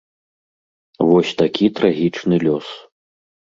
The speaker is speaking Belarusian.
Вось такі трагічны лёс.